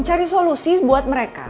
cari solusi buat mereka